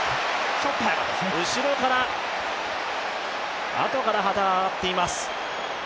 後ろからあとから旗があがっています。